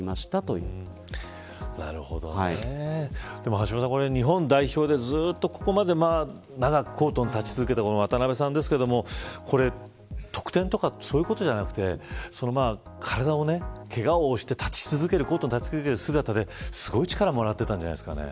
橋下さん日本代表でずっとここまで長くコートに立ち続けた渡邊さんですが得点とかそういうことではなくてけがをして立ち続けること立ち続ける姿ですごい力をもらってたんじゃないですかね。